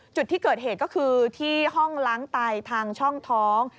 จุดที่เกิดเหตุก็คือที่ห้องล้างไตทางช่องท้อง